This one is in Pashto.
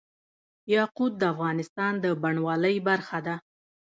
یاقوت د افغانستان د بڼوالۍ برخه ده.